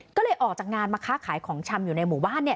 ก็เลยออกจากงานมาค้าขายของชำอยู่ในหมู่บ้านเนี่ย